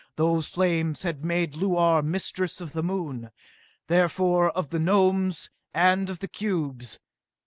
Those flames had made Luar mistress of the Moon therefore of the Gnomes and of the cubes!